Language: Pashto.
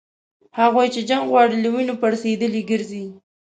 هغوی چي جنګ غواړي له وینو پړسېدلي ګرځي